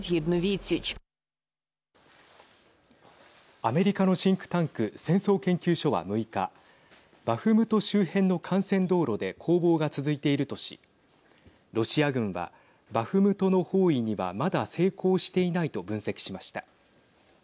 アメリカのシンクタンク戦争研究所は６日バフムト周辺の幹線道路で攻防が続いているとしロシア軍はバフムトの包囲にはまだ成功していないと分析しました。